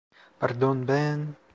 Pardon, ben…